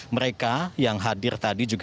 mereka yang hadir tadi juga